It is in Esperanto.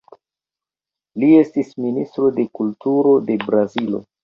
Li estis ministro de Kulturo de Brazilo.